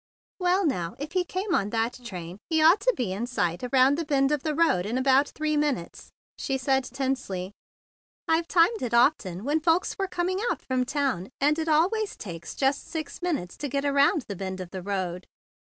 "Well, now, if he came on that train, he ought to be in sight around the bend of the road in about three minutes," she said tensely. "I've timed it often when 6 THE BIG BLUE SOLDIER folks were coming out from town, and it always takes just six minutes to get around the bend of the road."